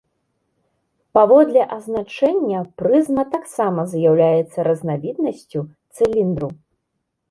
Паводле азначэння прызма таксама з'яўляецца разнавіднасцю цыліндру.